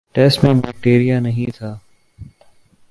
test میں bacteria نہیں تھا